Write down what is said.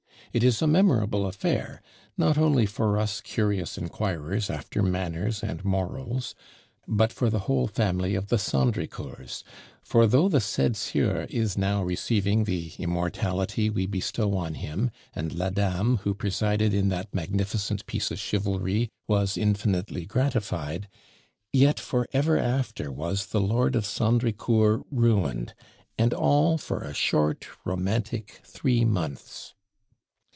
It is a memorable affair, not only for us curious inquirers after manners and morals, but for the whole family of the Sandricourts; for though the said sieur is now receiving the immortality we bestow on him, and la dame who presided in that magnificent piece of chivalry was infinitely gratified, yet for ever after was the lord of Sandricourt ruined and all for a short, romantic three months!